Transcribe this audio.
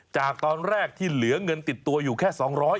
จากตอนแรกที่เหลือเงินติดตัวอยู่แค่๒๐๐